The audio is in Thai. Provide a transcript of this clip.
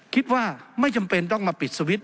คิดว่าไม่จำเป็นต้องมาปิดสวิตช